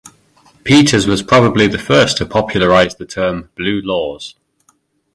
Peters was probably the first to popularize the term "blue laws".